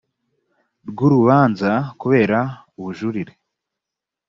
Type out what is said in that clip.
ry urubanza kubera ubujurire